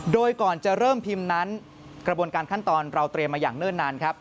โดยก่อนจะเริ่มพิมพ์นั้นกระบวนการขั้นตอนเราเตรียมมาอย่างเนิ่นนานครับ